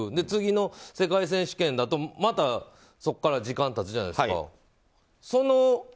次の世界選手権だとまたそこから時間が経つじゃないですか。